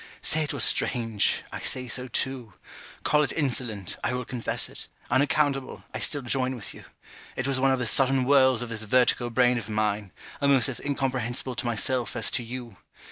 Say it was strange, I say so too. Call it insolent, I will confess it; unaccountable, I still join with you. It was one of the sudden whirls of this vertigo brain of mine, almost as incomprehensible to myself as to you.